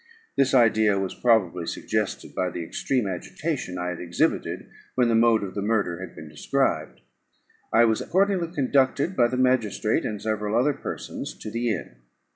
This idea was probably suggested by the extreme agitation I had exhibited when the mode of the murder had been described. I was accordingly conducted, by the magistrate and several other persons, to the inn.